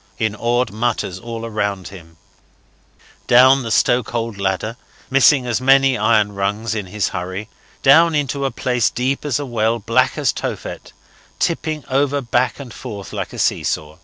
in awed mutters all round him; down the stokehold ladder, missing many iron rungs in his hurry, down into a place deep as a well, black as Tophet, tipping over back and forth like a see saw.